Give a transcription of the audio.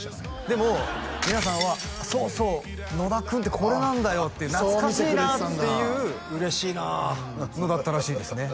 でも皆さんはそうそう野田君ってこれなんだよっていう懐かしいなっていうそう見てくれてたんだ嬉しいなのだったらしいですね